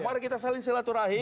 mari kita saling selaturahi